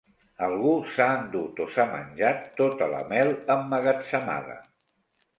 Algú s'ha endut o s'ha menjat tota la mel emmagatzemada.